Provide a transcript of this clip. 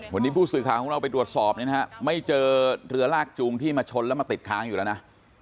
วันนี้ผู้สื่อข่าวของเราไปตรวจสอบเนี่ยนะฮะไม่เจอเรือลากจูงที่มาชนแล้วมาติดค้างอยู่แล้วนะ